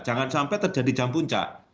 jangan sampai terjadi jam puncak